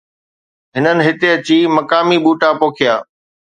هنن هتي اچي مقامي ٻوٽا پوکيا.